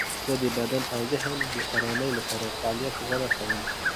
زه د بدن او ذهن د آرامۍ لپاره فعالیت غوره کوم.